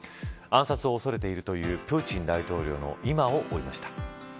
暗殺を恐れているというプーチン大統領の今を追いました。